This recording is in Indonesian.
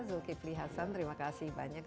zulkifli hasan terima kasih banyak